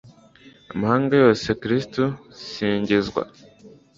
amahanga yose, kristu singizwa